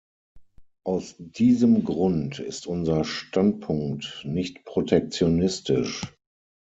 Aus diesem Grund ist unser Standpunkt nicht protektionistisch.